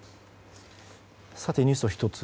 さてニュースを１つ。